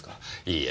いいえ。